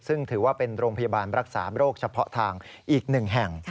ซึ่งถือว่าเป็นโรงพยาบาลรักษาโรคเฉพาะทางอีกหนึ่งแห่ง